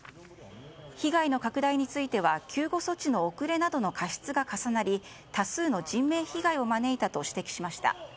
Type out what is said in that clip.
被害の拡大については救護措置の遅れなどの過失が重なり多数の人命被害を招いたと指摘しました。